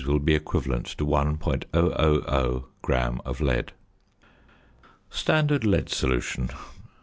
will be equivalent to 1.000 gram of lead. _Standard Lead Solution.